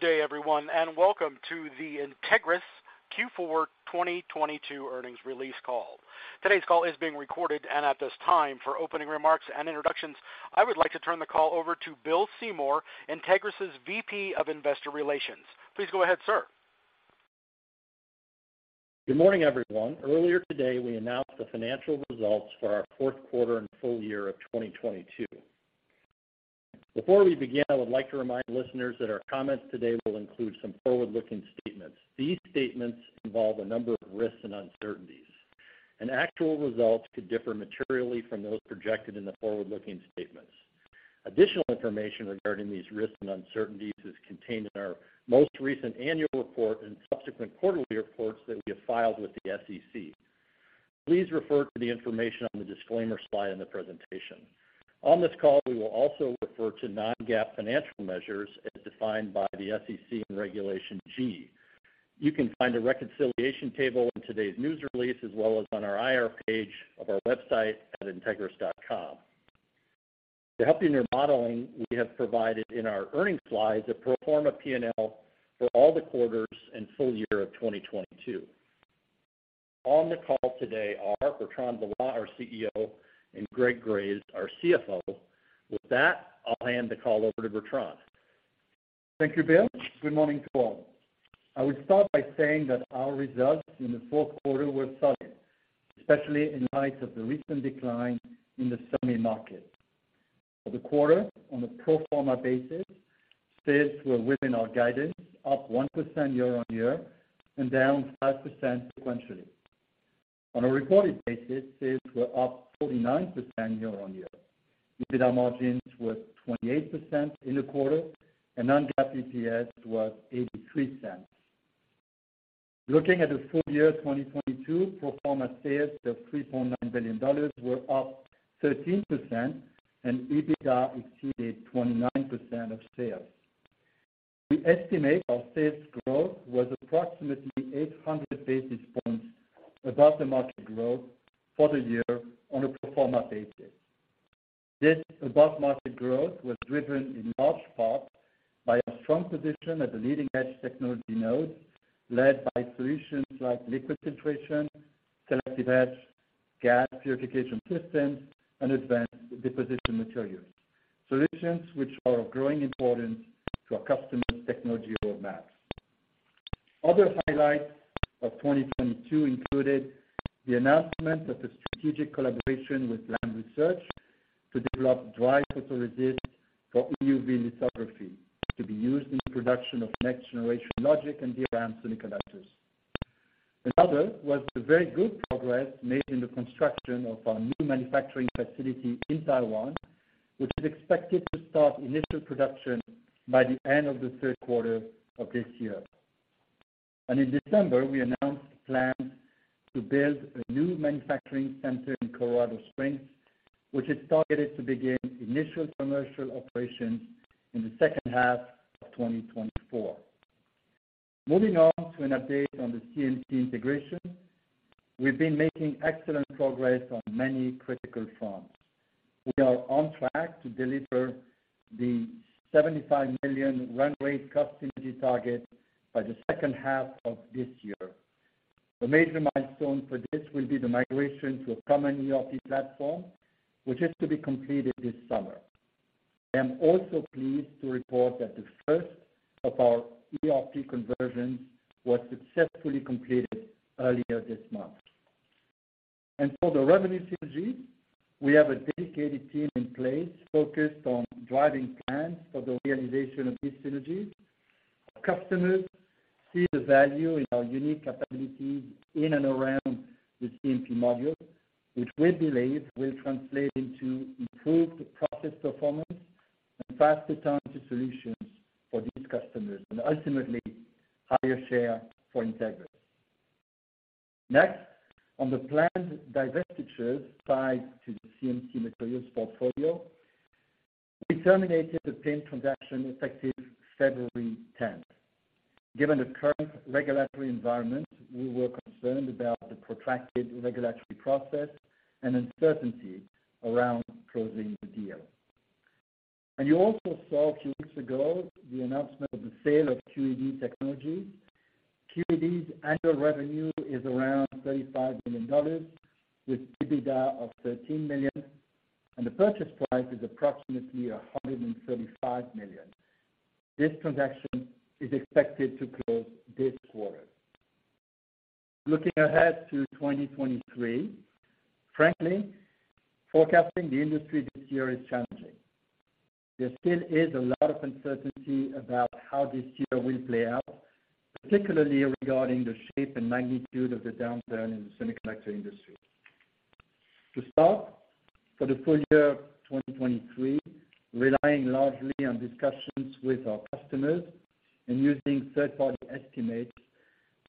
Good day, everyone, and welcome to the Entegris Q4 2022 earnings release call. Today's call is being recorded, and at this time, for opening remarks and introductions, I would like to turn the call over to Bill Seymour, Entegris' VP of Investor Relations. Please go ahead, sir. Good morning, everyone. Earlier today, we announced the financial results for our fourth quarter and full year of 2022. Before we begin, I would like to remind listeners that our comments today will include some forward-looking statements. These statements involve a number of risks and uncertainties. Actual results could differ materially from those projected in the forward-looking statements. Additional information regarding these risks and uncertainties is contained in our most recent annual report and subsequent quarterly reports that we have filed with the SEC. Please refer to the information on the disclaimer slide in the presentation. On this call, we will also refer to non-GAAP financial measures as defined by the SEC in Regulation G. You can find a reconciliation table in today's news release, as well as on our IR page of our website at entegris.com. To help in your modeling, we have provided in our earnings slides a pro forma P&L for all the quarters and full year of 2022. On the call today are Bertrand Loy, our CEO, and Greg Graves, our CFO. With that, I'll hand the call over to Bertrand. Thank you, Bill. Good morning to all. I would start by saying that our results in the fourth quarter were solid, especially in light of the recent decline in the semi market. For the quarter, on a pro forma basis, sales were within our guidance, up 1% year-over-year and down 5% sequentially. On a reported basis, sales were up 49% year-over-year. EBITDA margins were 28% in the quarter. Non-GAAP EPS was $0.83. Looking at the full year 2022, pro forma sales of $3.9 billion were up 13%. EBITDA exceeded 29% of sales. We estimate our sales growth was approximately 800 basis points above the market growth for the year on a pro forma basis. This above-market growth was driven in large part by our strong position at the leading edge technology nodes, led by solutions like liquid filtration, selective etch, gas purification systems, and advanced deposition materials, solutions which are of growing importance to our customers' technology roadmaps. Other highlights of 2022 included the announcement of the strategic collaboration with Lam Research to develop dry photoresist for EUV lithography to be used in production of next-generation logic and DRAM semiconductor. Another was the very good progress made in the construction of our new manufacturing facility in Taiwan, which is expected to start initial production by the end of the third quarter of this year. In December, we announced plans to build a new manufacturing center in Colorado Springs, which is targeted to begin initial commercial operations in the second half of 2024. Moving on to an update on the CMC integration. We've been making excellent progress on many critical fronts. We are on track to deliver the $75 million run rate cost synergy target by the second half of this year. The major milestone for this will be the migration to a common ERP platform, which is to be completed this summer. I am also pleased to report that the first of our ERP conversions was successfully completed earlier this month. For the revenue synergy, we have a dedicated team in place focused on driving plans for the realization of these synergies. Our customers see the value in our unique capabilities in and around the CMC module, which we believe will translate into improved process performance and faster time to solutions for these customers, and ultimately, higher share for Entegris. Next, on the planned divestitures tied to the CMC Materials portfolio, we terminated the PIM transaction effective February tenth. Given the current regulatory environment, we were concerned about the protracted regulatory process and uncertainty around closing the deal. You also saw a few weeks ago the announcement of the sale of QED Technologies. QED's annual revenue is around $35 million, with EBITDA of $13 million, and the purchase price is approximately $135 million. This transaction is expected to close this quarter. Looking ahead to 2023, frankly, forecasting the industry this year is challenging. There still is a lot of uncertainty about how this year will play out, particularly regarding the shape and magnitude of the downturn in the semiconductor industry. To start, for the full year 2023, relying largely on discussions with our customers and using third-party estimates,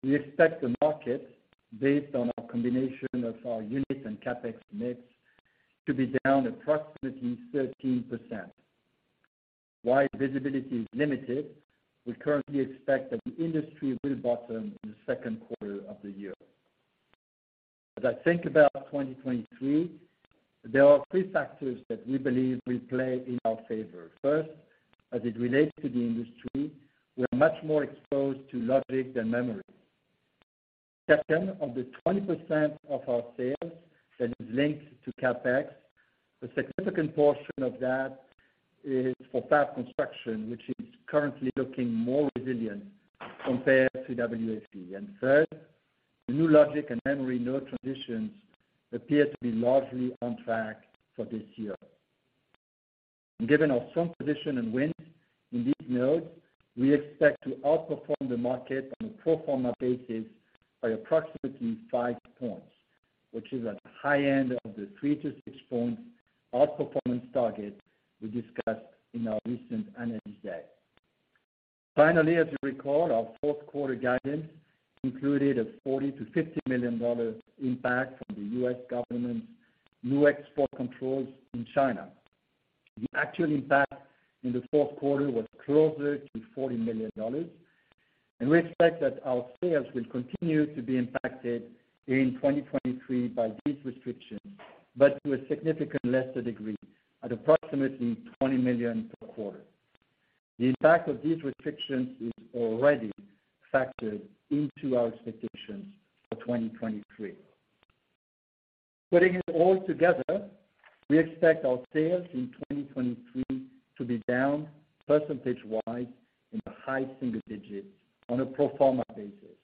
we expect the market, based on our combination of our unit and CapEx mix, to be down approximately 13%. While visibility is limited, we currently expect that the industry will bottom in the second quarter of the year. As I think about 2023, there are 3 factors that we believe will play in our favor. First, as it relates to the industry, we are much more exposed to logic than memory. Second, of the 20% of our sales that is linked to CapEx, a significant portion of that is for fab construction, which is currently looking more resilient compared to WFE. Third, the new logic and memory node transitions appear to be largely on track for this year. Given our strong position and wins in these nodes, we expect to outperform the market on a pro forma basis by approximately 5 points, which is at the high end of the 3-6 point outperformance target we discussed in our recent Analyst Day. Finally, as you recall, our fourth quarter guidance included a $40 million-$50 million impact from the U.S. government's new export controls in China. The actual impact in the fourth quarter was closer to $40 million, and we expect that our sales will continue to be impacted in 2023 by these restrictions, but to a significant lesser degree, at approximately $20 million per quarter. The impact of these restrictions is already factored into our expectations for 2023. Putting it all together, we expect our sales in 2023 to be down percentage-wide in the high single digits on a pro forma basis.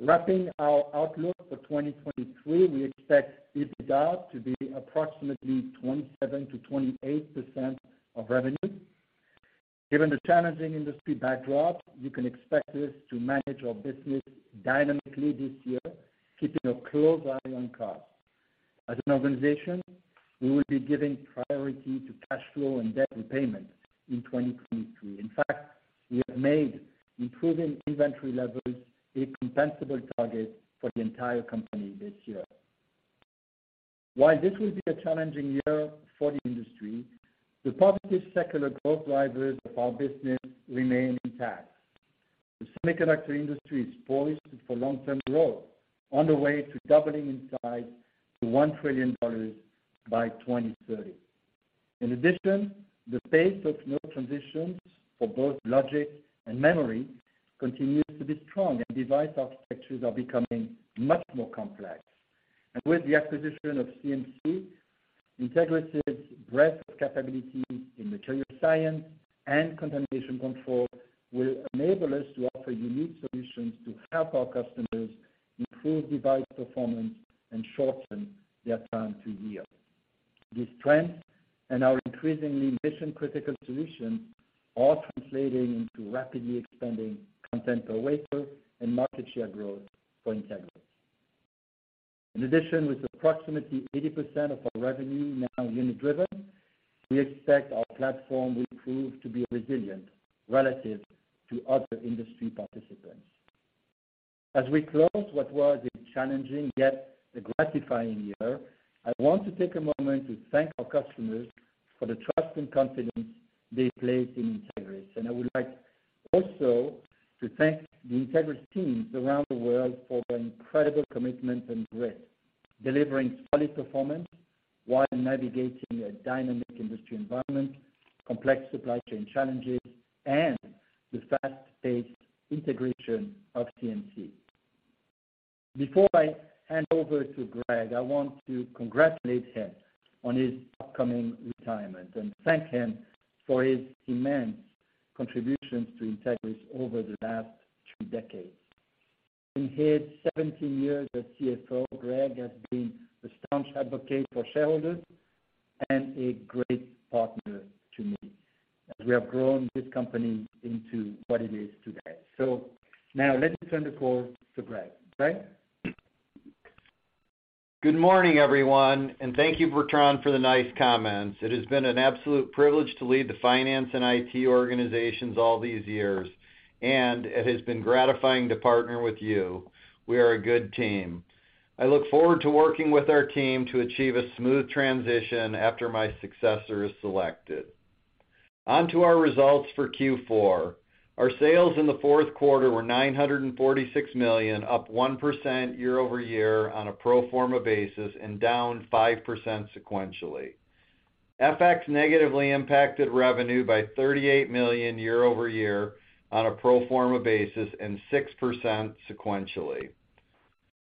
Wrapping our outlook for 2023, we expect EBITDA to be approximately 27%-28% of revenue. Given the challenging industry backdrop, you can expect us to manage our business dynamically this year, keeping a close eye on costs. As an organization, we will be giving priority to cash flow and debt repayment in 2023. In fact, we have made improving inventory levels a compensable target for the entire company this year. While this will be a challenging year for the industry, the positive secular growth drivers of our business remain intact. The semiconductor industry is poised for long-term growth on the way to doubling in size to $1 trillion by 2030. In addition, the pace of node transitions for both logic and memory continues to be strong, and device architectures are becoming much more complex. With the acquisition of CMC, Entegris' breadth of capability in material science and contamination control will enable us to offer unique solutions to help our customers improve device performance and shorten their time to yield. These trends and our increasingly mission-critical solutions are translating into rapidly expanding content per wafer and market share growth for Entegris. With approximately 80% of our revenue now unit-driven, we expect our platform will prove to be resilient relative to other industry participants. As we close what was a challenging yet a gratifying year, I want to take a moment to thank our customers for the trust and confidence they place in Entegris. I would like also to thank the Entegris teams around the world for their incredible commitment and grit, delivering solid performance while navigating a dynamic industry environment, complex supply chain challenges, and the fast-paced integration of CMC. Before I hand over to Greg, I want to congratulate him on his upcoming retirement and thank him for his immense contributions to Entegris over the last three decades. In his 17 years as CFO, Greg has been a staunch advocate for shareholders and a great partner to me as we have grown this company into what it is today. Now let me turn the call to Greg. Greg? Good morning, everyone. Thank you, Bertrand, for the nice comments. It has been an absolute privilege to lead the finance and IT organizations all these years, and it has been gratifying to partner with you. We are a good team. I look forward to working with our team to achieve a smooth transition after my successor is selected. On to our results for Q4. Our sales in the fourth quarter were $946 million, up 1% year-over-year on a pro forma basis and down 5% sequentially. FX negatively impacted revenue by $38 million year-over-year on a pro forma basis and 6% sequentially.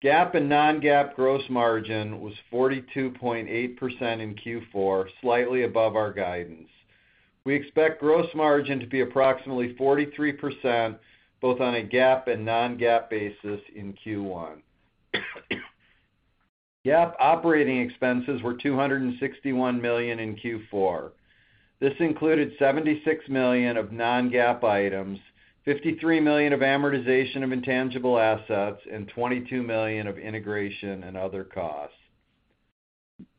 GAAP and non-GAAP gross margin was 42.8% in Q4, slightly above our guidance. We expect gross margin to be approximately 43% both on a GAAP and non-GAAP basis in Q1. GAAP operating expenses were $261 million in Q4. This included $76 million of non-GAAP items, $53 million of amortization of intangible assets, and $22 million of integration and other costs.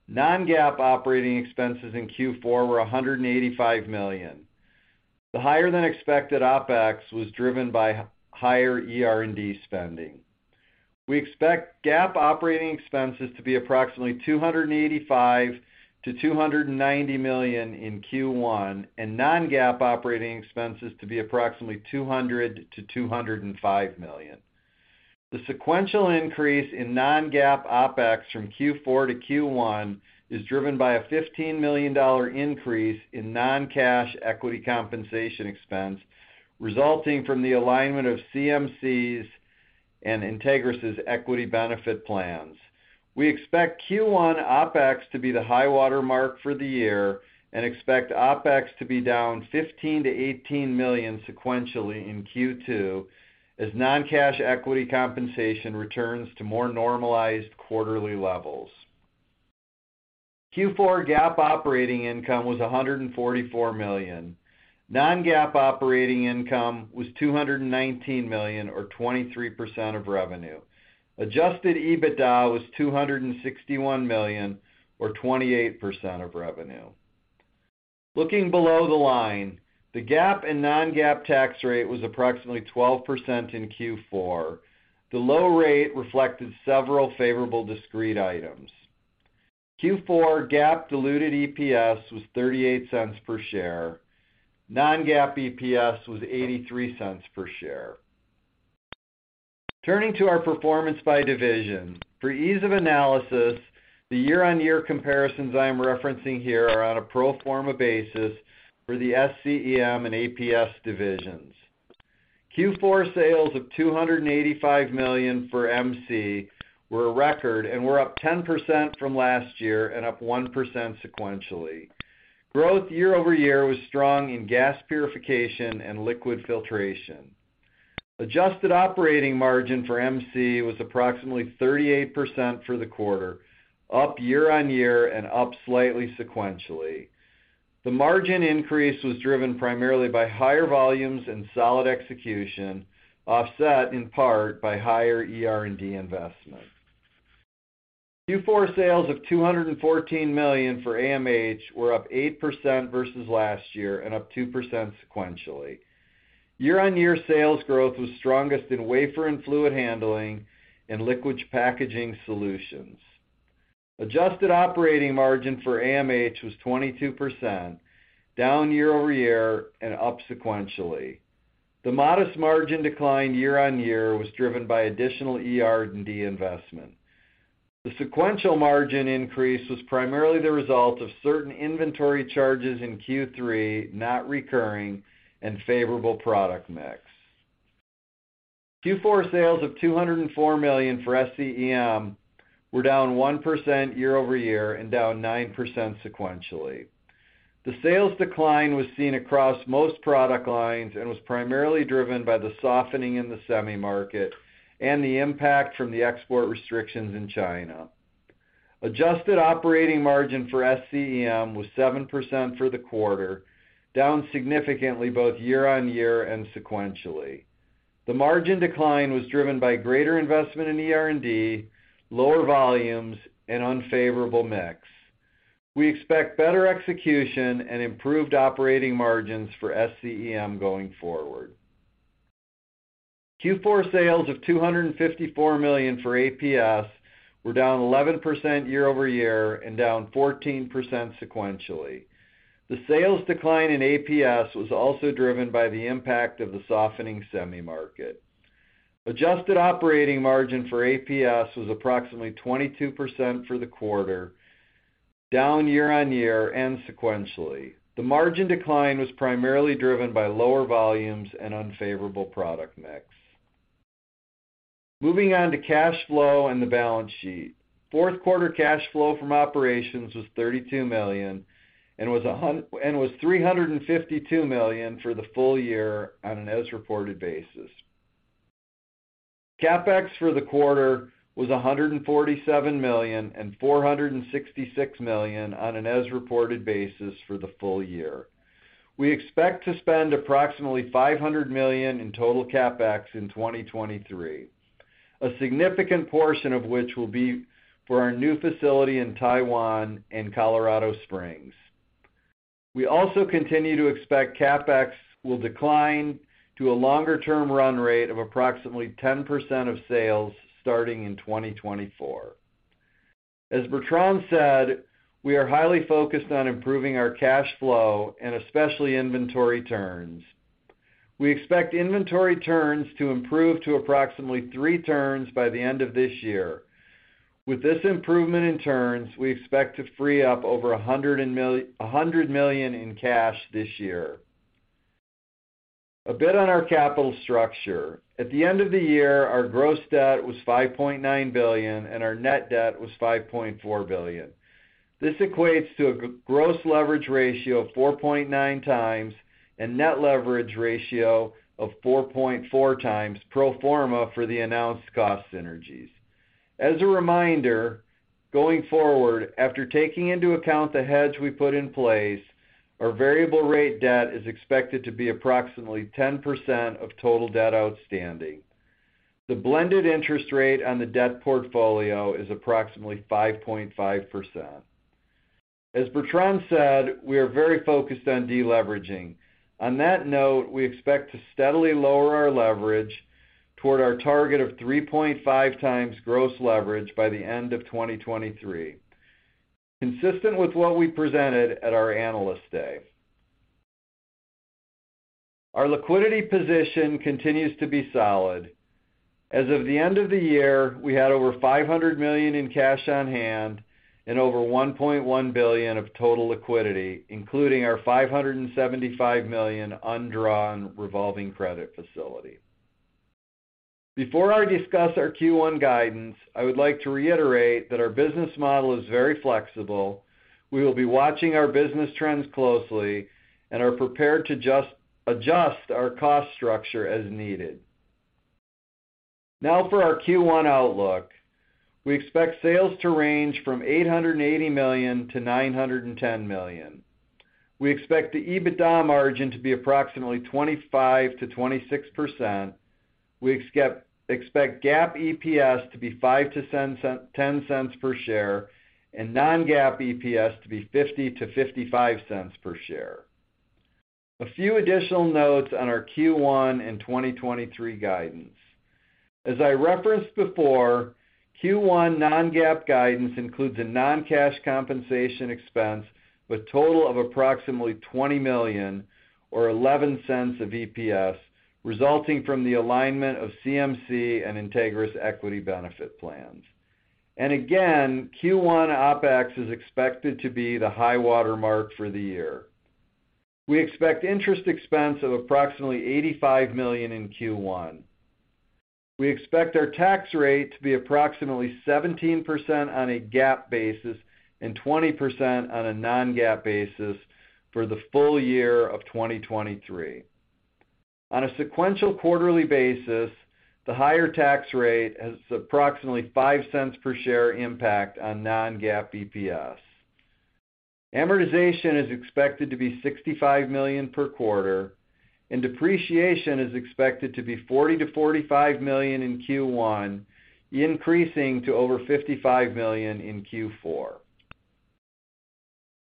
Non-GAAP operating expenses in Q4 were $185 million. The higher than expected OpEx was driven by higher ER&D spending. We expect GAAP operating expenses to be approximately $285 million-$290 million in Q1 and non-GAAP operating expenses to be approximately $200 million-$205 million. The sequential increase in non-GAAP OpEx from Q4 to Q1 is driven by a $15 million increase in non-cash equity compensation expense resulting from the alignment of CMC's and Entegris' equity benefit plans. We expect Q1 OpEx to be the high-water mark for the year and expect OpEx to be down $15 million-$18 million sequentially in Q2 as non-cash equity compensation returns to more normalized quarterly levels. Q4 GAAP operating income was $144 million. Non-GAAP operating income was $219 million or 23% of revenue. Adjusted EBITDA was $261 million or 28% of revenue. Looking below the line, the GAAP and non-GAAP tax rate was approximately 12% in Q4. The low rate reflected several favorable discrete items. Q4 GAAP diluted EPS was $0.38 per share. Non-GAAP EPS was $0.83 per share. Turning to our performance by division. For ease of analysis, the year-on-year comparisons I am referencing here are on a pro forma basis for the SCEM and APS divisions. Q4 sales of $285 million for MC were a record, were up 10% from last year and up 1% sequentially. Growth year-over-year was strong in gas purification and liquid filtration. Adjusted operating margin for MC was approximately 38% for the quarter, up year-on-year and up slightly sequentially. The margin increase was driven primarily by higher volumes and solid execution, offset in part by higher ER&D investment. Q4 sales of $214 million for AMH were up 8% versus last year and up 2% sequentially. Year-on-year sales growth was strongest in wafer and fluid handling and liquid packaging solutions. Adjusted operating margin for AMH was 22%, down year-over-year and up sequentially. The modest margin decline year-on-year was driven by additional ER&D investment. The sequential margin increase was primarily the result of certain inventory charges in Q3 not recurring and favorable product mix. Q4 sales of $204 million for SCEM were down 1% year-over-year and down 9% sequentially. The sales decline was seen across most product lines and was primarily driven by the softening in the semi market and the impact from the export restrictions in China. Adjusted operating margin for SCEM was 7% for the quarter, down significantly both year-on-year and sequentially. The margin decline was driven by greater investment in ER&D, lower volumes and unfavorable mix. We expect better execution and improved operating margins for SCEM going forward. Q4 sales of $254 million for APS were down 11% year-over-year and down 14% sequentially. The sales decline in APS was also driven by the impact of the softening semi market. Adjusted operating margin for APS was approximately 22% for the quarter, down year-over-year and sequentially. The margin decline was primarily driven by lower volumes and unfavorable product mix. Moving on to cash flow and the balance sheet. Fourth quarter cash flow from operations was $32 million and was $352 million for the full year on an as-reported basis. CapEx for the quarter was $147 million and $466 million on an as-reported basis for the full year. We expect to spend approximately $500 million in total CapEx in 2023, a significant portion of which will be for our new facility in Taiwan and Colorado Springs. We also continue to expect CapEx will decline to a longer-term run rate of approximately 10% of sales starting in 2024. As Bertrand said, we are highly focused on improving our cash flow and especially inventory turns. We expect inventory turns to improve to approximately 3 turns by the end of this year. With this improvement in turns, we expect to free up over $100 million in cash this year. A bit on our capital structure. At the end of the year, our gross debt was $5.9 billion, and our net debt was $5.4 billion. This equates to a gross leverage ratio of 4.9x and net leverage ratio of 4.4x pro forma for the announced cost synergies. As a reminder, going forward, after taking into account the hedge we put in place, our variable rate debt is expected to be approximately 10% of total debt outstanding. The blended interest rate on the debt portfolio is approximately 5.5%. As Bertrand said, we are very focused on deleveraging. On that note, we expect to steadily lower our leverage toward our target of 3.5x gross leverage by the end of 2023, consistent with what we presented at our Analyst Day. Our liquidity position continues to be solid. As of the end of the year, we had over $500 million in cash on hand and over $1.1 billion of total liquidity, including our $575 million undrawn revolving credit facility. Before I discuss our Q1 guidance, I would like to reiterate that our business model is very flexible. We will be watching our business trends closely and are prepared to adjust our cost structure as needed. For our Q1 outlook. We expect sales to range from $880 million-$910 million. We expect the EBITDA margin to be approximately 25%-26%. We expect GAAP EPS to be $0.05-$0.10 per share and non-GAAP EPS to be $0.50-$0.55 per share. A few additional notes on our Q1 and 2023 guidance. As I referenced before, Q1 non-GAAP guidance includes a non-cash compensation expense with total of approximately $20 million or $0.11 of EPS, resulting from the alignment of CMC and Entegris equity benefit plans. Again, Q1 OpEx is expected to be the high water mark for the year. We expect interest expense of approximately $85 million in Q1. We expect our tax rate to be approximately 17% on a GAAP basis and 20% on a non-GAAP basis for the full year of 2023. On a sequential quarterly basis, the higher tax rate has approximately $0.05 per share impact on non-GAAP EPS. Amortization is expected to be $65 million per quarter, and depreciation is expected to be $40 million-$45 million in Q1, increasing to over $55 million in Q4.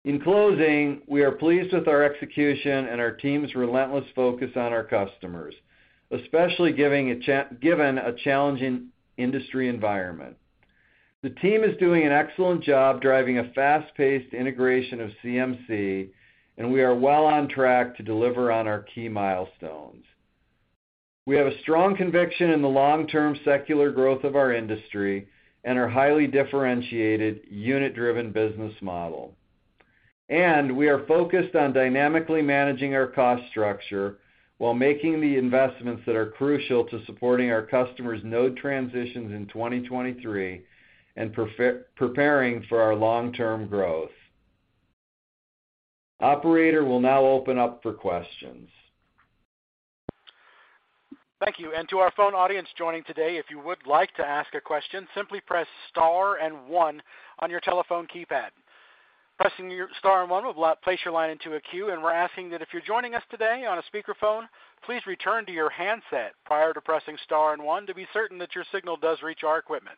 In closing, we are pleased with our execution and our team's relentless focus on our customers, especially given a challenging industry environment. The team is doing an excellent job driving a fast-paced integration of CMC, and we are well on track to deliver on our key milestones. We have a strong conviction in the long-term secular growth of our industry and our highly differentiated unit-driven business model. We are focused on dynamically managing our cost structure while making the investments that are crucial to supporting our customers' node transitions in 2023 and preparing for our long-term growth. Operator, we'll now open up for questions. Thank you. To our phone audience joining today, if you would like to ask a question, simply press star and 1 on your telephone keypad. Pressing your star and 1 will place your line into a queue. We're asking that if you're joining us today on a speakerphone, please return to your handset prior to pressing star and 1 to be certain that your signal does reach our equipment.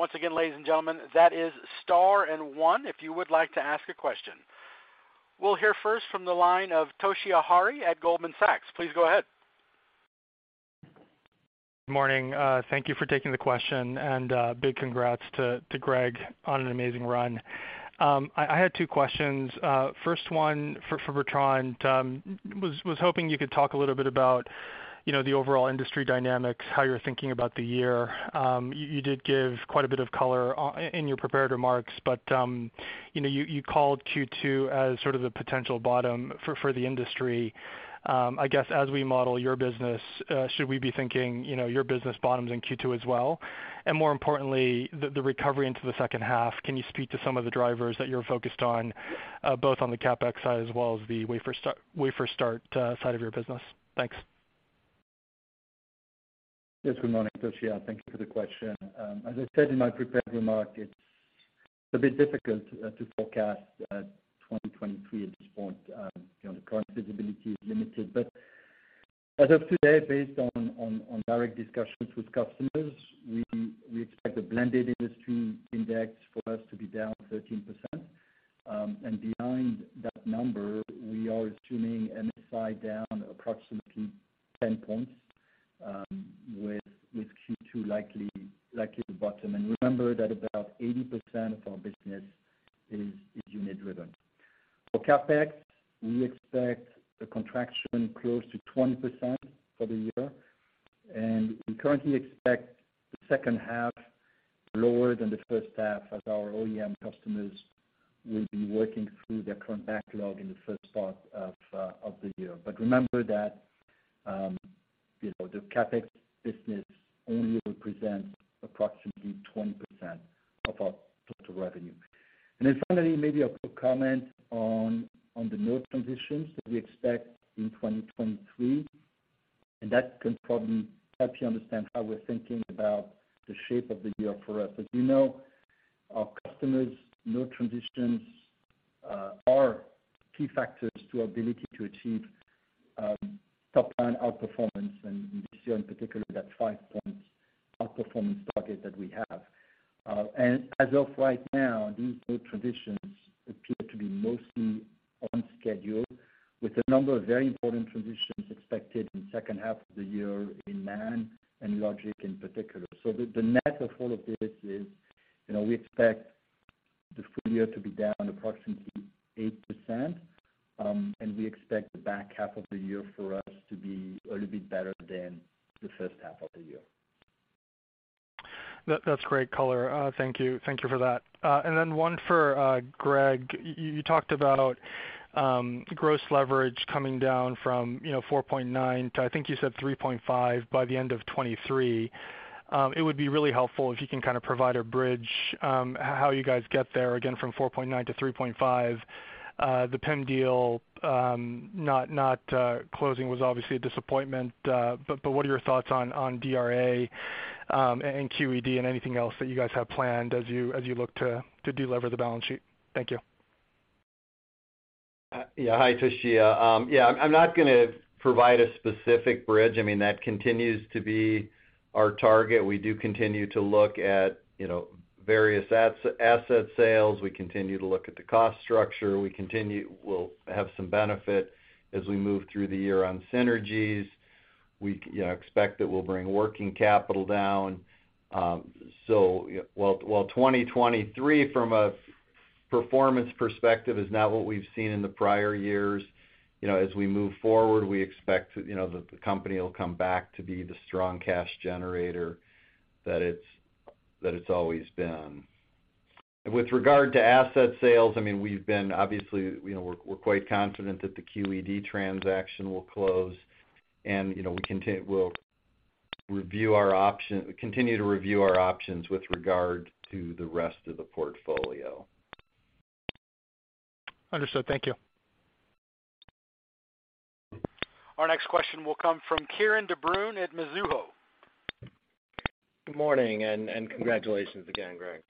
Once again, ladies and gentlemen, that is star and 1 if you would like to ask a question. We'll hear first from the line of Toshiya Hari at Goldman Sachs. Please go ahead. Good morning. Thank you for taking the question, big congrats to Greg Graves on an amazing run. I had 2 questions. First one for Bertrand Loy. Was hoping you could talk a little bit about, you know, the overall industry dynamics, how you're thinking about the year. You did give quite a bit of color in your prepared remarks, you know, you called Q2 as sort of the potential bottom for the industry. I guess, as we model your business, should we be thinking, you know, your business bottoms in Q2 as well? More importantly, the recovery into the second half, can you speak to some of the drivers that you're focused on, both on the CapEx side as well as the wafer start side of your business? Thanks. Yes, good morning, Toshiya Hari. Thank you for the question. As I said in my prepared remarks, it's a bit difficult to forecast 2023 at this point. You know, the current visibility is limited. As of today, based on direct discussions with customers, we expect the blended industry index for us to be down 13%. Behind that number, we are assuming MSI down approximately 10 points, with Q2 likely to bottom. Remember that about 80% of our business is unit driven. For CapEx, we expect a contraction close to 20% for the year. We currently expect the second half lower than the first half as our OEM customers will be working through their current backlog in the first part of the year. Remember that, you know, the CapEx business only represents approximately 20% of our total revenue. Then finally, maybe a quick comment on the node transitions that we expect in 2023. That can probably help you understand how we're thinking about the shape of the year for us. As you know, our customers' node transitions are key factors to our ability to achieve top-line outperformance, and this year in particular, that 5-point outperformance target that we have. As of right now, these node transitions appear to be mostly on schedule with a number of very important transitions expected in second half of the year in NAND and Logic in particular. The net of all of this is, you know, we expect the full year to be down approximately 8%, and we expect the back half of the year for us to be a little bit better than the first half of the year. That's great color. Thank you. Thank you for that. One for Greg Graves. You talked about gross leverage coming down from, you know, 4.9 to I think you said 3.5 by the end of 2023. It would be really helpful if you can kind of provide a bridge, how you guys get there, again from 4.9 to 3.5. The PIM deal, not closing was obviously a disappointment, but what are your thoughts on DRA, and QED and anything else that you guys have planned as you look to de-lever the balance sheet? Thank you. Yeah. Hi, Tushya. Yeah, I'm not gonna provide a specific bridge. I mean, that continues to be our target. We do continue to look at, you know, various as-asset sales. We continue to look at the cost structure. We'll have some benefit as we move through the year on synergies. We, you know, expect that we'll bring working capital down. While 2023 from a performance perspective is not what we've seen in the prior years, you know, as we move forward, we expect, you know, the company will come back to be the strong cash generator that it's always been. With regard to asset sales, I mean, we've been obviously, you know, we're quite confident that the QED transaction will close and, you know, we'll continue to review our options with regard to the rest of the portfolio. Understood. Thank you. Our next question will come from Kieran de Bruin at Mizuho. Good morning, and congratulations again, Greg.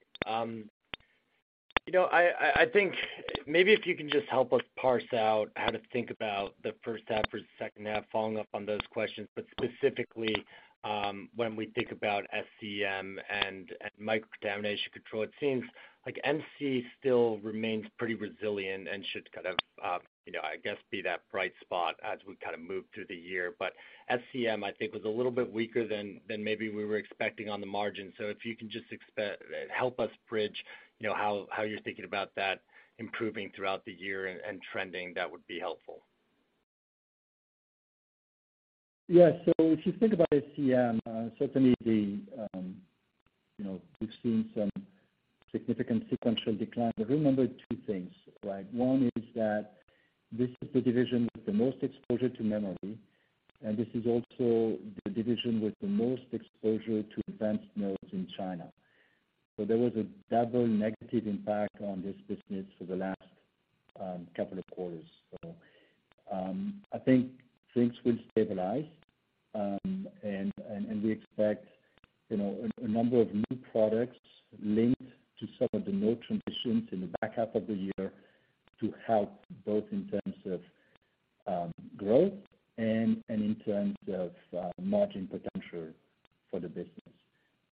You know, I think maybe if you can just help us parse out how to think about the first half versus second half, following up on those questions. Specifically, when we think about SCEM and micro contamination control, it seems like MC still remains pretty resilient and should kind of, you know, I guess be that bright spot as we kind of move through the year. SCEM, I think, was a little bit weaker than maybe we were expecting on the margin. If you can just help us bridge, you know, how you're thinking about that improving throughout the year and trending, that would be helpful. Yeah. If you think about SCEM, certainly the you know, we've seen some significant sequential decline. Remember two things, right? One is that this is the division with the most exposure to memory, and this is also the division with the most exposure to advanced nodes in China. There was a double negative impact on this business for the last couple of quarters. I think things will stabilize. We expect, you know, a number of new products linked to some of the node transitions in the back half of the year to help both in terms of growth and in terms of margin potential for the business.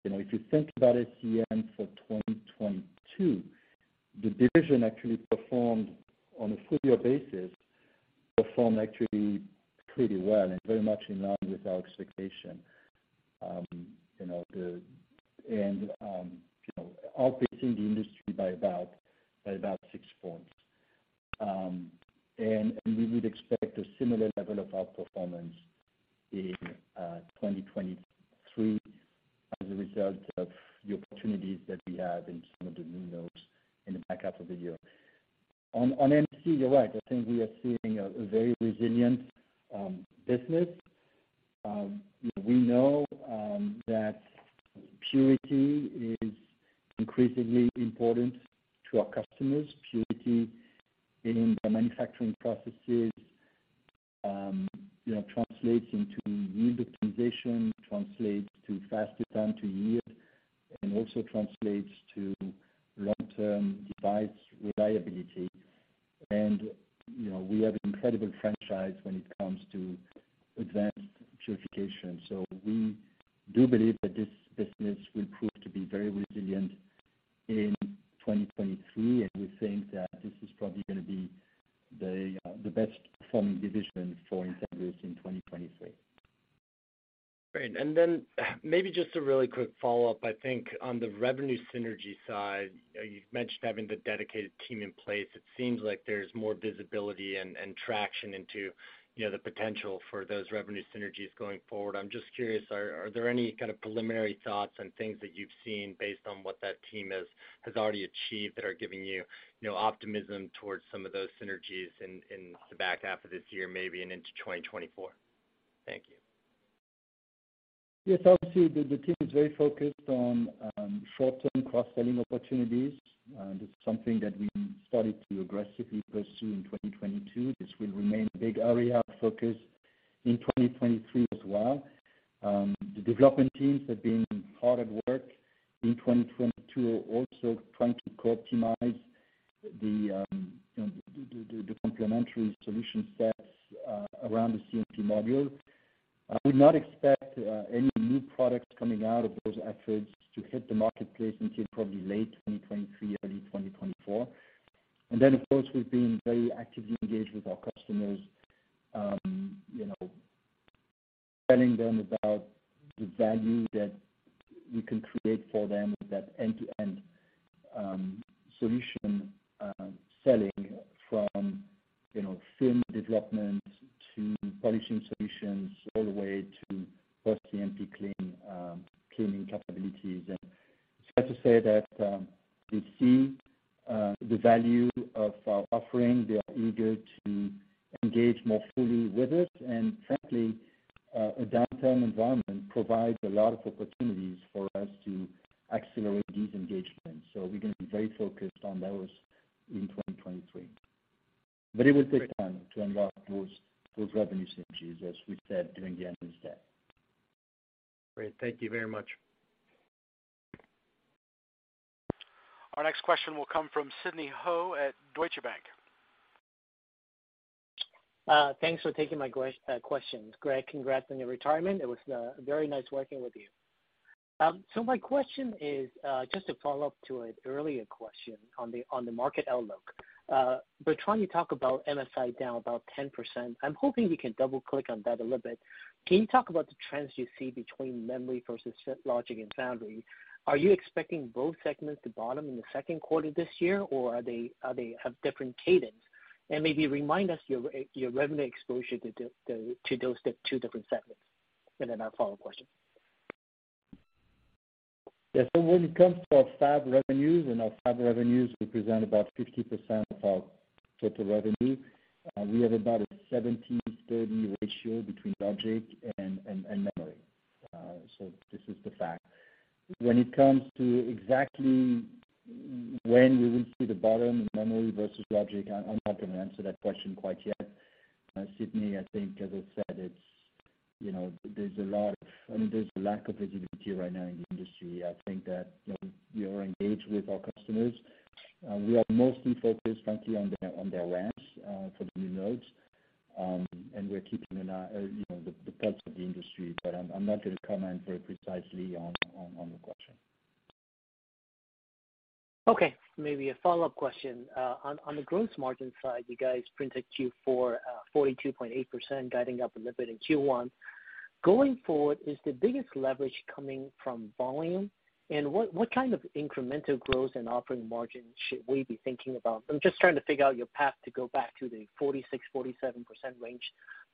You know, if you think about SCEM for 2022, the division actually performed on a full year basis, performed actually pretty well and very much in line with our expectation. You know, the, and, you know, outpacing the industry by about 6 points. We would expect a similar level of outperformance in 2023 as a result of the opportunities that we have in some of the new nodes in the back half of the year. On MC, you're right. I think we are seeing a very resilient business. We know that purity is increasingly important to our customers. Purity in the manufacturing processes, you know, translates into yield optimization, translates to faster time to yield, and also translates to long-term device reliability. You know, we have incredible franchise when it comes to advanced purification. We do believe that this business will prove to be very resilient in 2023, and we think that this is probably gonna be the best performing division for Entegris in 2023. Great. Maybe just a really quick follow-up, I think on the revenue synergy side. You've mentioned having the dedicated team in place. It seems like there's more visibility and traction into, you know, the potential for those revenue synergies going forward. I'm just curious, are there any kind of preliminary thoughts on things that you've seen based on what that team has already achieved that are giving you know, optimism towards some of those synergies in the back half of this year, maybe and into 2024? Thank you. Yes. Obviously, the team is very focused on short-term cross-selling opportunities, and it's something that we started to aggressively pursue in 2022. This will remain a big area of focus in 2023 as well. The development teams have been hard at work in 2022, are also trying to co-optimize the, you know, the complementary solution sets around the CMC module. I would not expect any new products coming out of those efforts to hit the marketplace until probably late 2023, early 2024. Of course, we've been very actively engaged with our customers, you know, telling them about the value that we can create for them, that end-to-end solution selling from, you know, film development to publishing solutions all the way to post CMP clean cleaning capabilities. Safe to say that we see the value of our offering. They are eager to engage more fully with us. Frankly, a downturn environment provides a lot of opportunities for us to accelerate these engagements. We're gonna be very focused on those in 2023. It will take time to unlock those revenue synergies, as we said during the earnings day. Great. Thank you very much. Our next question will come from Sidney Ho at Deutsche Bank. Thanks for taking my questions. Greg, congrats on your retirement. It was very nice working with you. My question is just a follow-up to an earlier question on the market outlook. Bertrand, you talk about MSI down about 10%. I'm hoping we can double-click on that a little bit. Can you talk about the trends you see between memory versus Logic and foundry? Are you expecting both segments to bottom in the second quarter this year, or are they have different cadence? Maybe remind us your revenue exposure to those two different segments. Then a follow question. When it comes to our fab revenues, and our fab revenues represent about 50% of our total revenue, we have about a 70/30 ratio between logic and memory. This is the fact. When it comes to exactly when we will see the bottom in memory versus logic, I'm not gonna answer that question quite yet. Sidney, I think as I said, it's, you know, there's a lot of. I mean, there's a lack of visibility right now in the industry. I think that, you know, we are engaged with our customers. We are mostly focused frankly on their, on their ramps, for the new nodes. We're keeping an eye, you know, the pulse of the industry. I'm not gonna comment very precisely on the question. Okay. Maybe a follow-up question. On the gross margin side, you guys printed Q4, 42.8%, guiding up a little bit in Q1. Going forward, is the biggest leverage coming from volume? What kind of incremental growth and operating margin should we be thinking about? I'm just trying to figure out your path to go back to the 46%-47% range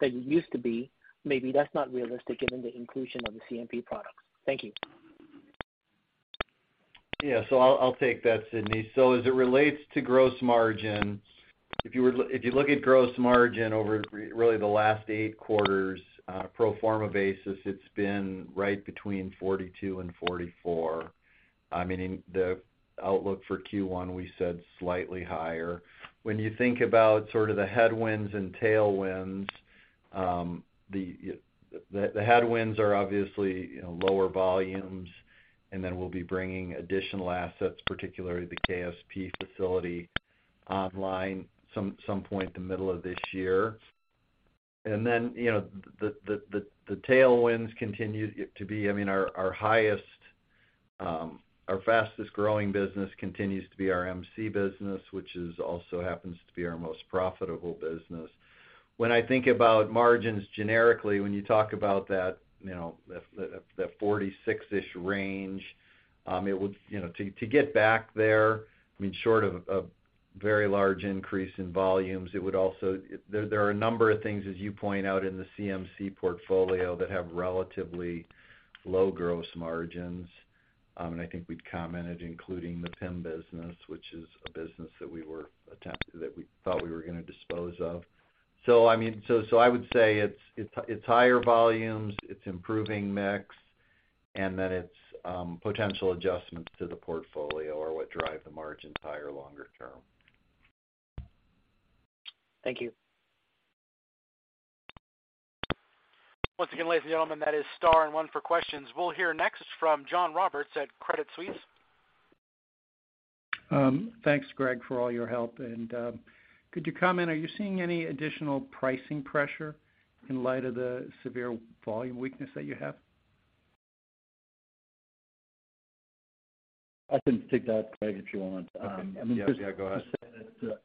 that you used to be. Maybe that's not realistic given the inclusion of the CMP products. Thank you. Yeah. I'll take that, Sidney. As it relates to gross margin, if you look at gross margin over really the last 8 quarters, pro forma basis, it's been right between 42 and 44. I mean, in the outlook for Q1, we said slightly higher. When you think about sort of the headwinds and tailwinds, the headwinds are obviously, you know, lower volumes, and then we'll be bringing additional assets, particularly the KSP facility online some point in the middle of this year. You know, the tailwinds continue to be, I mean, our highest, our fastest-growing business continues to be our MC business, which is also happens to be our most profitable business. When I think about margins generically, when you talk about that, you know, the 46-ish range, it would, you know, to get back there, I mean, short of a very large increase in volumes, it would also. There are a number of things, as you point out in the CMC portfolio that have relatively low gross margins. I think we'd commented, including the PIM business, which is a business that we thought we were gonna dispose of. I mean, I would say it's, it's higher volumes, it's improving mix, and then it's potential adjustments to the portfolio are what drive the margins higher longer term. Thank you. Once again, ladies and gentlemen, that is star and one for questions. We'll hear next from John Roberts at Credit Suisse. Thanks, Greg, for all your help. Could you comment, are you seeing any additional pricing pressure in light of the severe volume weakness that you have? I can take that, Greg, if you want. Yeah. Yeah, go ahead. Just to say that,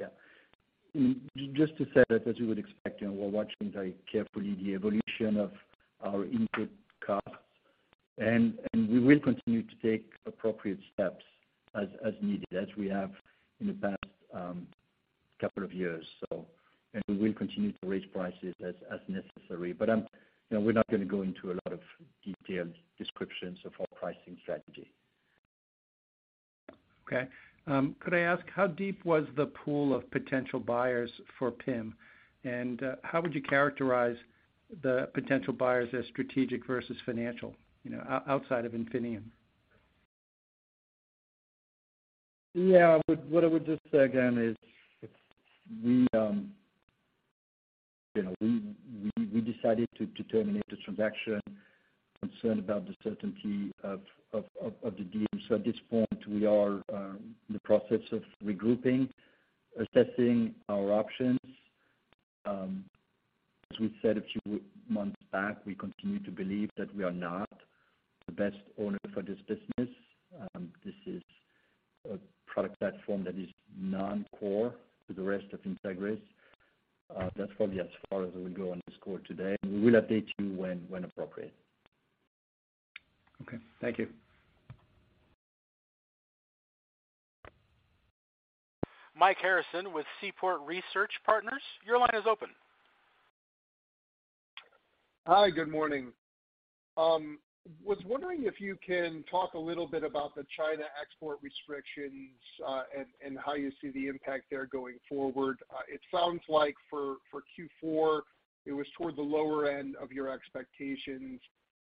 yeah. Just to say that as you would expect, you know, we're watching very carefully the evolution of our input costs, and we will continue to take appropriate steps as needed, as we have in the past couple of years. And we will continue to raise prices as necessary. I'm, you know, we're not gonna go into a lot of detailed descriptions of our pricing strategy. Okay. Could I ask how deep was the pool of potential buyers for PIM? How would you characterize the potential buyers as strategic versus financial, you know, out-outside of Infineum? Yeah. What I would just say again is it's we, you know, we decided to terminate the transaction concerned about the certainty of the deal. At this point, we are in the process of regrouping, assessing our options. As we said a few months back, we continue to believe that we are not the best owner for this business, this is a product platform that is non-core to the rest of Entegris. That's probably as far as I will go on this call today, we will update you when appropriate. Okay. Thank you. Mike Harrison with Seaport Research Partners. Your line is open. Hi, good morning. Was wondering if you can talk a little bit about the China export restrictions, and how you see the impact there going forward? It sounds like for Q4, it was toward the lower end of your expectations,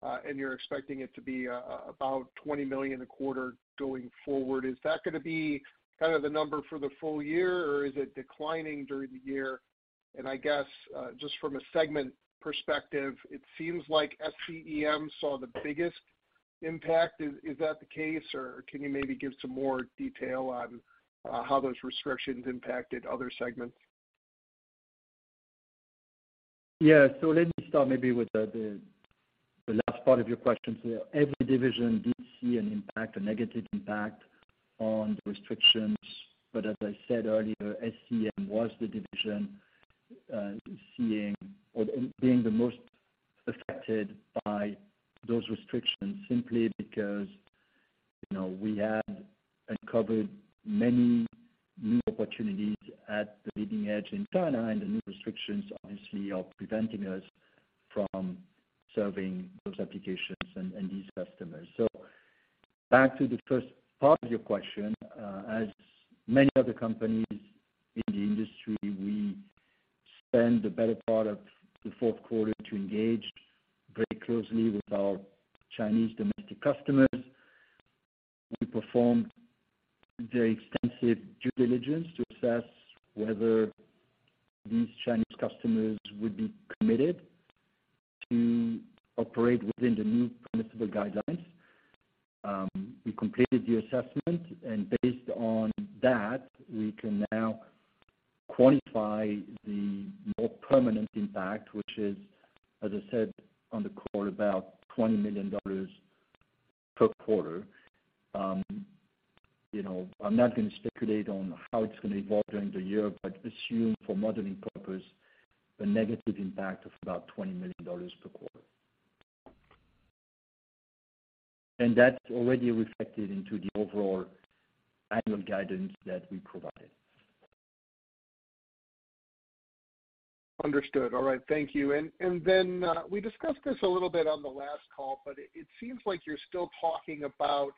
and you're expecting it to be about $20 million a quarter going forward. Is that gonna be kind of the number for the full year, or is it declining during the year? I guess, just from a segment perspective, it seems like SCEM saw the biggest impact. Is that the case, or can you maybe give some more detail on how those restrictions impacted other segments? Let me start maybe with the last part of your question. Every division did see an impact, a negative impact on the restrictions. As I said earlier, SCEM was the division seeing or being the most affected by those restrictions simply because, you know, we had uncovered many new opportunities at the leading edge in China, and the new restrictions obviously are preventing us from serving those applications and these customers. Back to the first part of your question. As many other companies in the industry, we spend the better part of the fourth quarter to engage very closely with our Chinese domestic customers. We performed very extensive due diligence to assess whether these Chinese customers would be committed to operate within the new permissible guidelines. We completed the assessment, and based on that, we can now quantify the more permanent impact, which is, as I said on the call, about $20 million per quarter. You know, I'm not gonna speculate on how it's gonna evolve during the year, but assume for modeling purpose, a negative impact of about $20 million per quarter. That's already reflected into the overall annual guidance that we provided. Understood. All right. Thank you. Then, we discussed this a little bit on the last call, but it seems like you're still talking about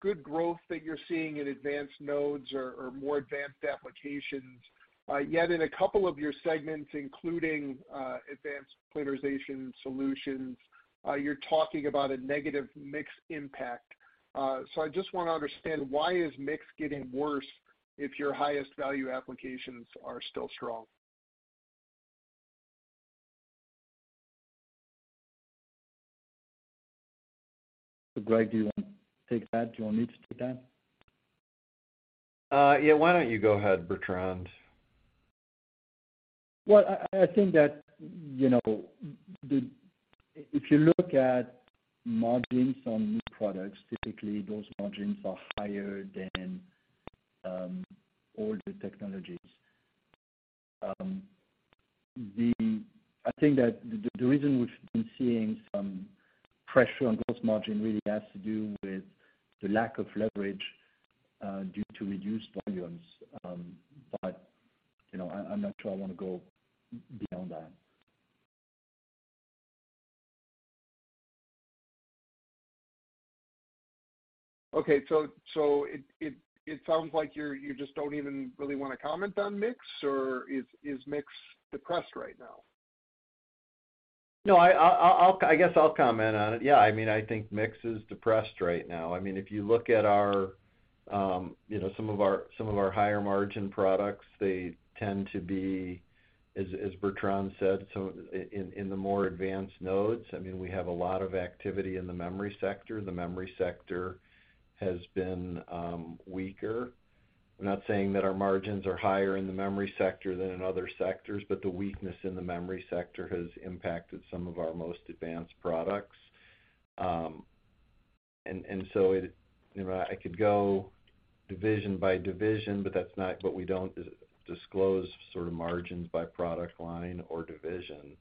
good growth that you're seeing in advanced nodes or more advanced applications. Yet in a couple of your segments, including Advanced Contamination Control Solutions, you're talking about a negative mix impact. I just wanna understand, why is mix getting worse if your highest value applications are still strong? Greg, do you want to take that? Do you want me to take that? Yeah, why don't you go ahead, Bertrand? Well, I think that, you know, if you look at margins on new products, typically those margins are higher than all the technologies. I think that the reason we've been seeing some pressure on gross margin really has to do with the lack of leverage due to reduced volumes. You know, I'm not sure I wanna go beyond that. Okay. it sounds like you're, you just don't even really wanna comment on mix or is mix depressed right now? No, I guess I'll comment on it. Yeah. I mean, I think mix is depressed right now. I mean, if you look at our, you know, some of our higher margin products, they tend to be, as Bertrand said, in the more advanced nodes. I mean, we have a lot of activity in the memory sector. The memory sector has been weaker. I'm not saying that our margins are higher in the memory sector than in other sectors, but the weakness in the memory sector has impacted some of our most advanced products. So it, you know, I could go division by division, but that's not what we don't disclose sort of margins by product line or division.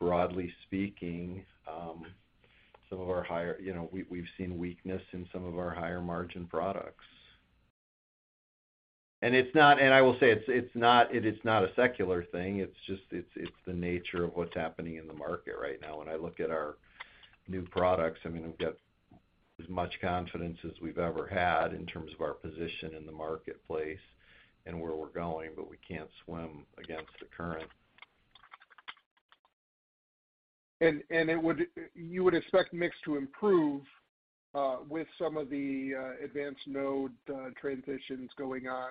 broadly speaking, some of our higher, you know, we've seen weakness in some of our higher margin products. It's not. I will say it's not, it is not a secular thing. It's just, it's the nature of what's happening in the market right now. When I look at our new products, I mean, we've got as much confidence as we've ever had in terms of our position in the marketplace and where we're going. We can't swim against the current. You would expect mix to improve with some of the advanced node transitions going on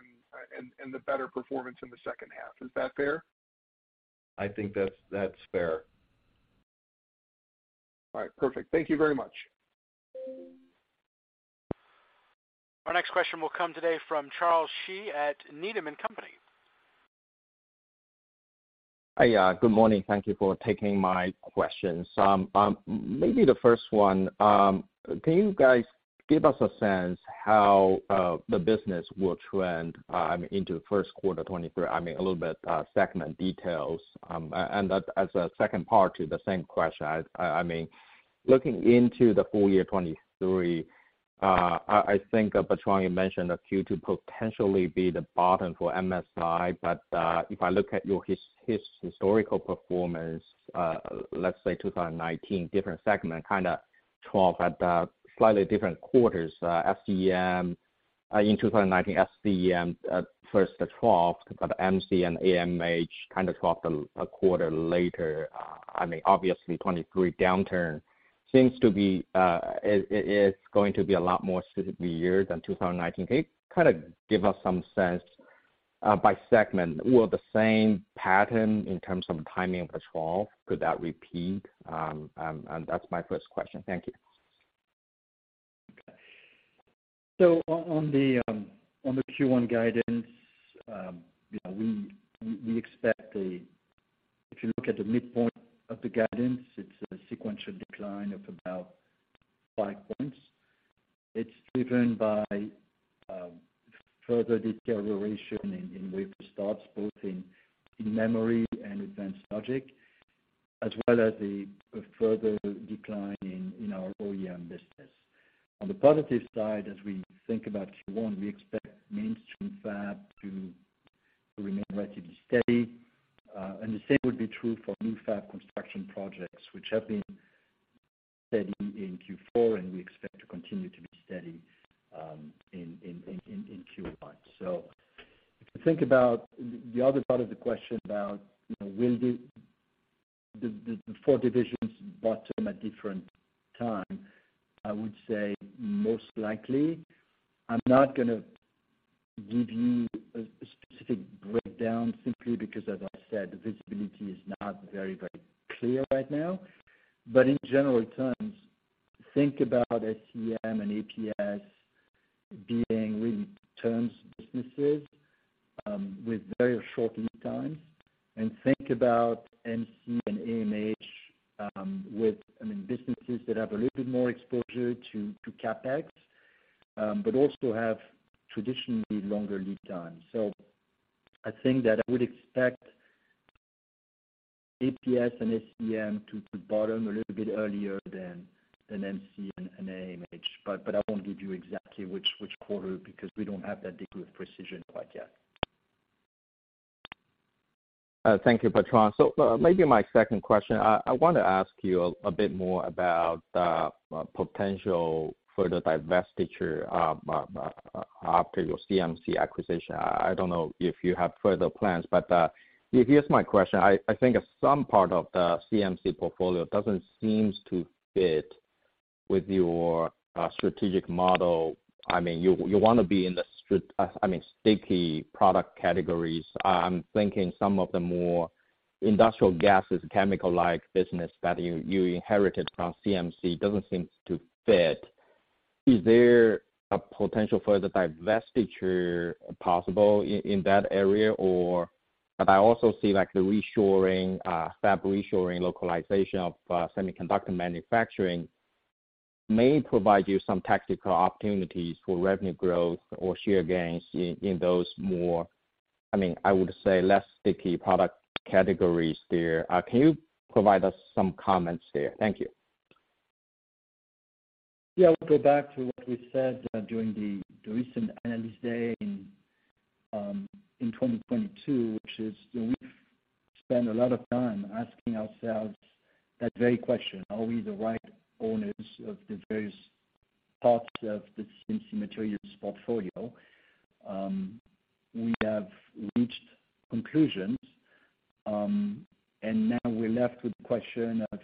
and the better performance in the second half. Is that fair? I think that's fair. All right. Perfect. Thank you very much. Our next question will come today from Charles Shi at Needham & Company. Hi. Good morning. Thank you for taking my questions. Maybe the first one, can you guys give us a sense how the business will trend into 1st quarter 2023, I mean, a little bit segment details. As a second part to the same question, I mean, looking into the full year 2023, I think Bertrand you mentioned a Q2 potentially be the bottom for MSI. If I look at your historical performance, let's say 2019, different segment, kinda trough at slightly different quarters. SCEM in 2019, SCEM first the trough, but MC and AMH kind of dropped a quarter later. I mean, obviously 2023 downturn seems to be, it is going to be a lot more severe than 2019. Can you kind of give us some sense, by segment, will the same pattern in terms of timing of the trough, could that repeat? That's my first question. Thank you. On the Q1 guidance, you know, if you look at the midpoint of the guidance, it's a sequential decline of about 5 points. It's driven by further deterioration in wafer starts, both in memory and advanced logic, as well as a further decline in our OEM business. On the positive side, as we think about Q1, we expect mainstream fab to remain relatively steady. The same would be true for new fab construction projects, which have been steady in Q4, and we expect to continue to be steady in Q1. If you think about the other part of the question about, you know, will the four divisions bottom at different time, I would say most likely. I'm not gonna give you a specific breakdown simply because, as I said, the visibility is not very, very clear right now. In general terms, think about SCEM and APS being really terms businesses with very short lead times, and think about MC and AMH, I mean, businesses that have a little bit more exposure to CapEx, but also have traditionally longer lead times. I think that I would expect APS and SCEM to bottom a little bit earlier than MC and AMH. I won't give you exactly which quarter because we don't have that degree of precision quite yet. Thank you, Bertrand. Maybe my second question. I wanna ask you a bit more about potential further divestiture after your CMC acquisition. I don't know if you have further plans, but here's my question. I think some part of the CMC portfolio doesn't seems to fit with your strategic model. I mean, you wanna be in the sticky product categories. I'm thinking some of the more industrial gases, chemical-like business that you inherited from CMC doesn't seem to fit. Is there a potential further divestiture possible in that area? I also see like the reshoring, fab reshoring localization of semiconductor manufacturing may provide you some tactical opportunities for revenue growth or share gains in those more, I mean, I would say less sticky product categories there. Can you provide us some comments there? Thank you. Yeah. I'll go back to what we said during the recent Analyst Day in 2022, which is that we've spent a lot of time asking ourselves that very question, are we the right owners of the various parts of the CMC Materials portfolio? We have reached conclusions, and now we're left with the question of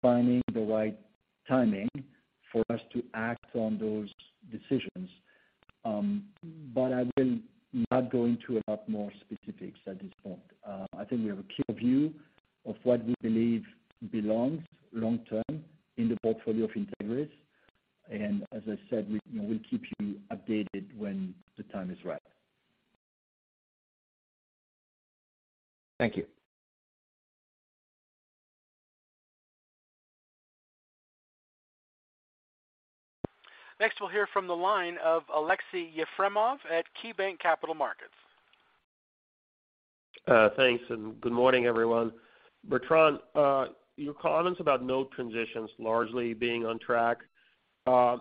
finding the right timing for us to act on those decisions. I will not go into a lot more specifics at this point. I think we have a clear view of what we believe belongs long-term in the portfolio of Entegris. As I said, we, you know, we'll keep you updated when the time is right. Thank you. Next, we'll hear from the line of Aleksey Yefremov at KeyBanc Capital Markets. Thanks, and good morning, everyone. Bertrand, your comments about node transitions largely being on track,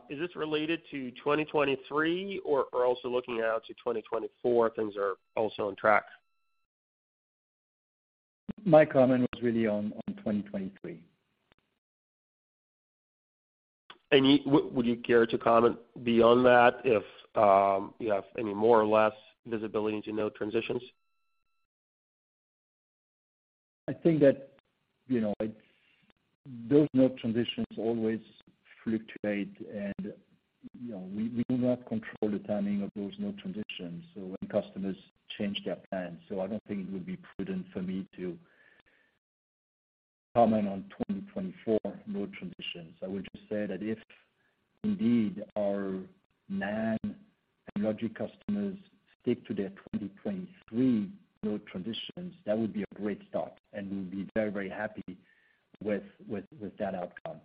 is this related to 2023 or also looking out to 2024, things are also on track? My comment was really on 2023. Would you care to comment beyond that if you have any more or less visibility into node transitions? I think that, you know, those node transitions always fluctuate, you know, we do not control the timing of those node transitions when customers change their plans. I don't think it would be prudent for me to comment on 2024 node transitions. I would just say that if indeed our NAND and logic customers stick to their 2023 node transitions, that would be a great start, and we'll be very, very happy with that outcome.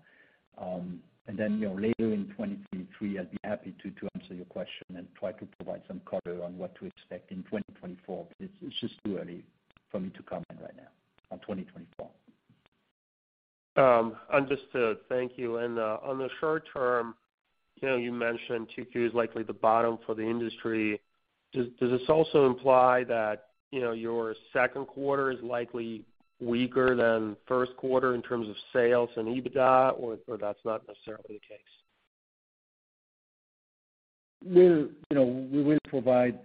You know, later in 2023, I'll be happy to answer your question and try to provide some color on what to expect in 2024. It's just too early for me to comment right now on 2024. Understood. Thank you. On the short term, you mentioned Q2 is likely the bottom for the industry. Does this also imply that your second quarter is likely weaker than first quarter in terms of sales and EBITDA, or that's not necessarily the case? We're, you know, we will provide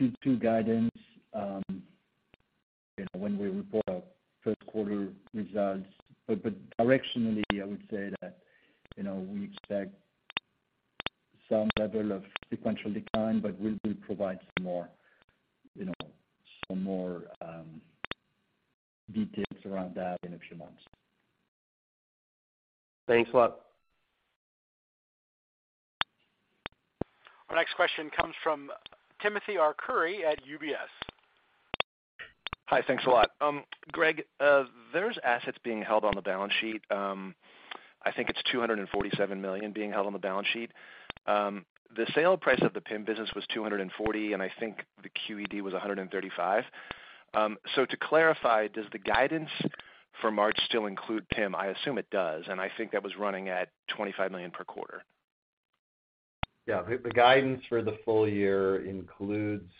Q2 guidance, you know, when we report our first quarter results. Directionally, I would say that, you know, we expect some level of sequential decline, but we'll provide some more, you know, details around that in a few months. Thanks a lot. Our next question comes from Timothy Arcuri at UBS. Hi. Thanks a lot. Greg, there's assets being held on the balance sheet. I think it's $247 million being held on the balance sheet. The sale price of the PIM business was $240, and I think the QED was $135. To clarify, does the guidance for March still include PIM? I assume it does, and I think that was running at $25 million per quarter. Yeah. The guidance for the full year includes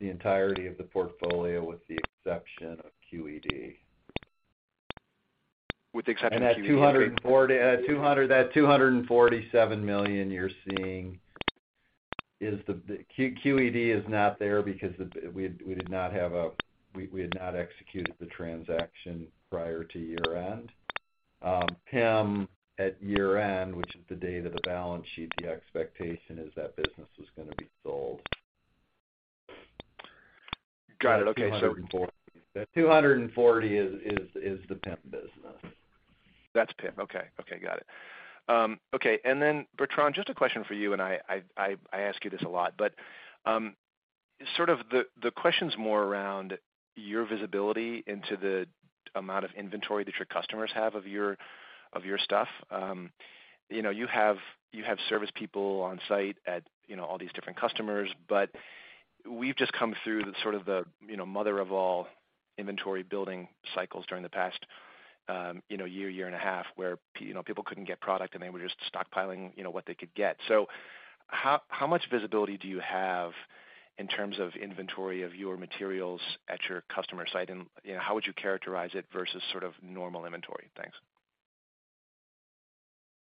the entirety of the portfolio, with the exception of QED. With the exception of QED, okay. That $247 million you're seeing QED is not there because we had not executed the transaction prior to year-end. PIM at year-end, which is the date of the balance sheet, the expectation is that business was gonna be sold. Got it. Okay. $240. The $240 is the PIM business. That's PIM. Okay. Okay, got it. Then, Bertrand, just a question for you, and I ask you this a lot. Sort of the question's more around your visibility into the amount of inventory that your customers have of your stuff. You know, you have service people on site at, you know, all these different customers, but we've just come through the sort of the, you know, mother of all inventory building cycles during the past, you know, year and a half, where you know, people couldn't get product and they were just stockpiling, you know, what they could get. How much visibility do you have in terms of inventory of your materials at your customer site? And, you know, how would you characterize it versus sort of normal inventory? Thanks.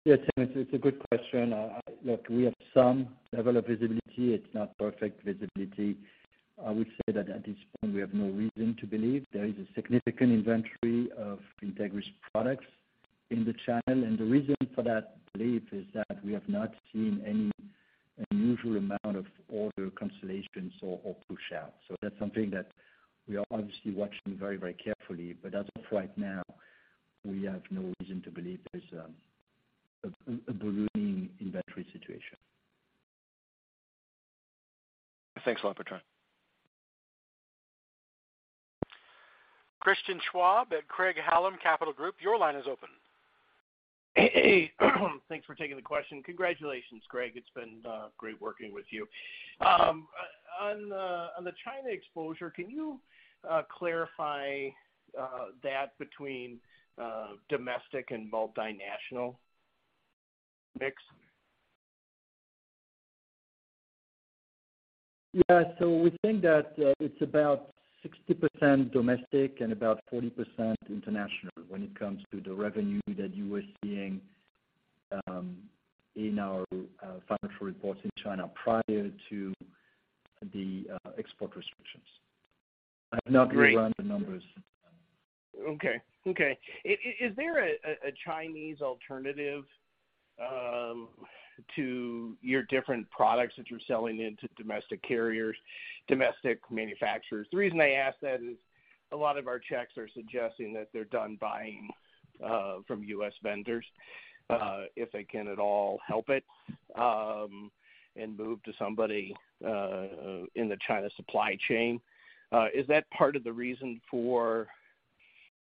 Yes. It's a good question. Look, we have some level of visibility. It's not perfect visibility. I would say that at this point, we have no reason to believe there is a significant inventory of Entegris products in the channel. The reason for that belief is that we have not seen any unusual amount of order cancellations or pushout. That's something that we are obviously watching very, very carefully. As of right now, we have no reason to believe there's a ballooning inventory situation. Thanks a lot, Bertrand. Christian Schwab at Craig-Hallum Capital Group, your line is open. Thanks for taking the question. Congratulations, Greg. It's been great working with you. On the China exposure, can you clarify that between domestic and multinational mix? Yeah. We think that it's about 60% domestic and about 40% international when it comes to the revenue that you were seeing, in our financial reports in China prior to the export restrictions. Great. I have not rerun the numbers since then. Okay. Okay. Is there a Chinese alternative to your different products that you're selling into domestic carriers, domestic manufacturers? The reason I ask that is a lot of our checks are suggesting that they're done buying from US vendors, if they can at all help it, and move to somebody in the China supply chain. Is that part of the reason for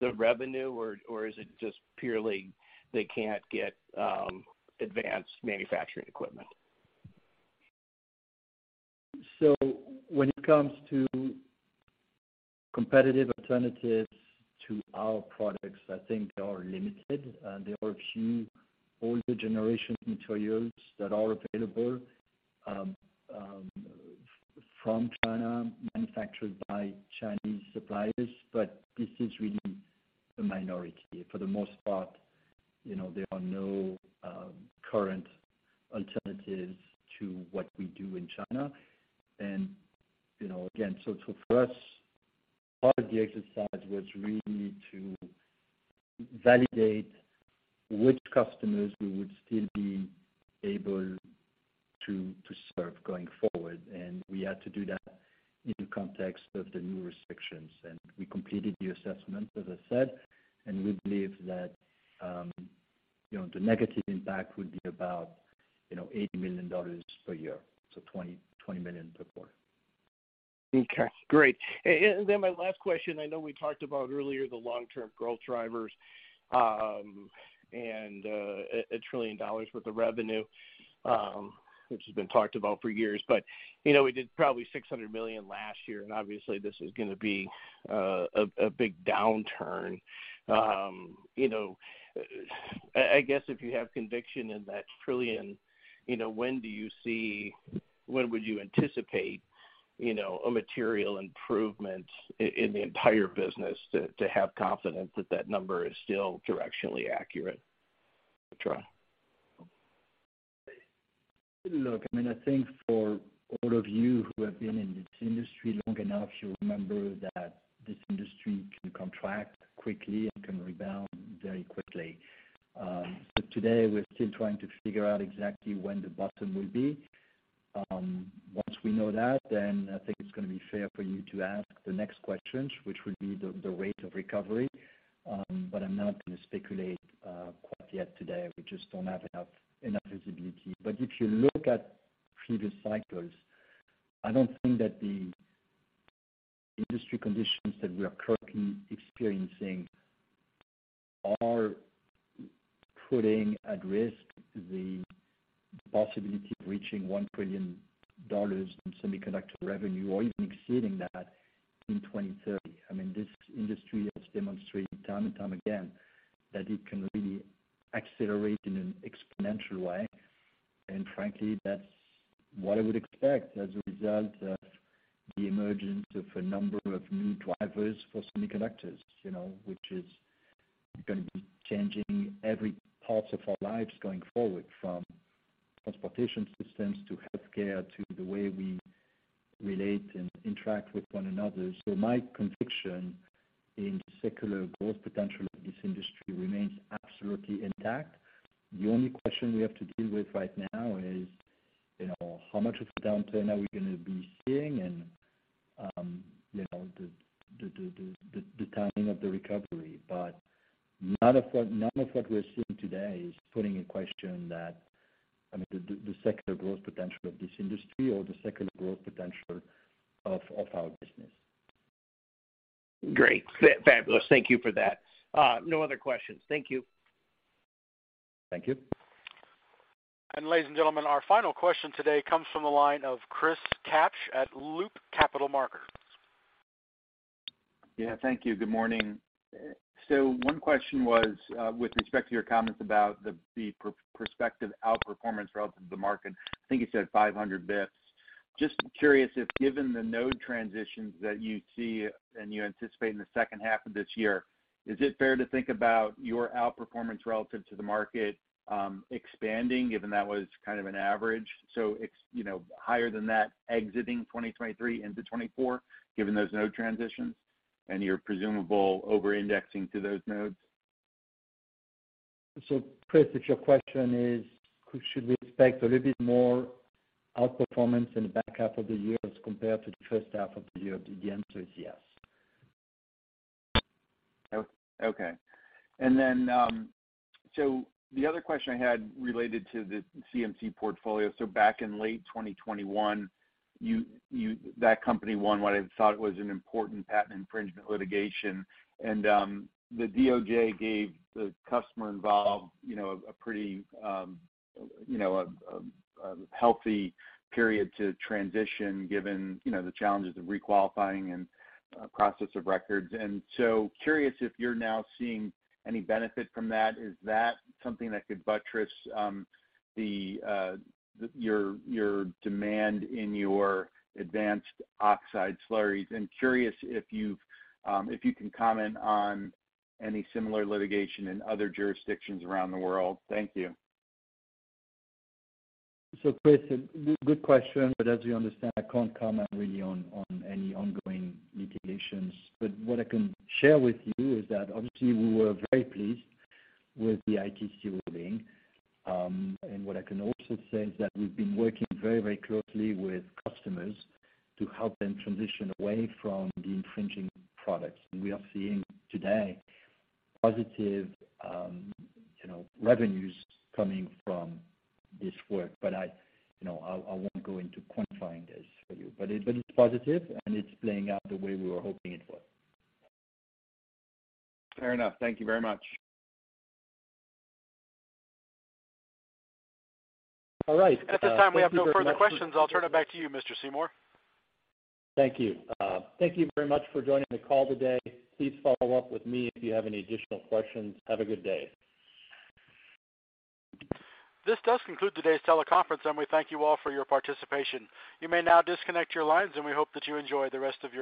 the revenue, or is it just purely they can't get advanced manufacturing equipment? When it comes to competitive alternatives to our products, I think they are limited. There are a few older generation materials that are available from China manufactured by Chinese suppliers, but this is really the minority. For the most part, you know, there are no current alternatives to what we do in China. You know, again, so for us, part of the exercise was really to validate which customers we would still be able to serve going forward. We had to do that in the context of the new restrictions, and we completed the assessment, as I said, and we believe that, you know, the negative impact would be about, you know, $80 million per year, so $20 million per quarter. Okay, great. My last question, I know we talked about earlier the long-term growth drivers, and a $1 trillion worth of revenue, which has been talked about for years. You know, we did probably $600 million last year, and obviously, this is gonna be a big downturn. You know, I guess if you have conviction in that trillion, you know, when would you anticipate, you know, a material improvement in the entire business to have confidence that that number is still directionally accurate, Petra? Look, I mean, I think for all of you who have been in this industry long enough, you remember that this industry can contract quickly and can rebound very quickly. Today we're still trying to figure out exactly when the bottom will be. Once we know that, then I think it's gonna be fair for you to ask the next questions, which will be the rate of recovery. I'm not gonna speculate quite yet today. We just don't have enough visibility. If you look at previous cycles, I don't think that the industry conditions that we are currently experiencing are putting at risk the possibility of reaching $1 trillion in semiconductor revenue or even exceeding that in 2030. I mean, this industry has demonstrated time and time again that it can really accelerate in an exponential way. Frankly, that's what I would expect as a result of the emergence of a number of new drivers for semiconductors, you know, which is gonna be changing every part of our lives going forward, from transportation systems to healthcare to the way we relate and interact with one another. My conviction in the secular growth potential of this industry remains absolutely intact. The only question we have to deal with right now is, you know, how much of a downturn are we gonna be seeing and, you know, the timing of the recovery. None of what we're seeing today is putting in question that, I mean, the secular growth potential of this industry or the secular growth potential of our business. Great. Fabulous. Thank you for that. No other questions. Thank you. Thank you. ladies and gentlemen, our final question today comes from the line of Chris Kapsch at Loop Capital Markets. Yeah, thank you. Good morning. One question was with respect to your comments about the perspective outperformance relative to the market. I think you said 500 basis points. Just curious if, given the node transitions that you see and you anticipate in the second half of this year, is it fair to think about your outperformance relative to the market, expanding, given that was kind of an average? It's, you know, higher than that exiting 2023 into 2024, given those node transitions and your presumable over-indexing to those nodes. Chris, if your question is should we expect a little bit more outperformance in the back half of the year as compared to the first half of the year, the answer is yes. Okay. The other question I had related to the CMC portfolio. Back in late 2021, you that company won what I thought was an important patent infringement litigation. The DOJ gave the customer involved, you know, a pretty, you know, a healthy period to transition given, you know, the challenges of re-qualifying and process of records. Curious if you're now seeing any benefit from that. Is that something that could buttress the your demand in your advanced oxide slurries? Curious if you've, if you can comment on any similar litigation in other jurisdictions around the world. Thank you. Chris, good question, but as you understand, I can't comment really on any ongoing litigations. What I can share with you is that obviously we were very pleased with the ITC ruling. What I can also say is that we've been working very closely with customers to help them transition away from the infringing products. We are seeing today positive, you know, revenues coming from this work. I, you know, I won't go into quantifying this for you. It's positive and it's playing out the way we were hoping it would. Fair enough. Thank you very much. All right. At this time, we have no further questions. I'll turn it back to you, Mr. Seymour. Thank you. Thank you very much for joining the call today. Please follow up with me if you have any additional questions. Have a good day. This does conclude today's teleconference. We thank you all for your participation. You may now disconnect your lines. We hope that you enjoy the rest of your day.